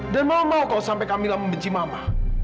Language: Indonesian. dan mama mau kalau sampai kamila membenci mama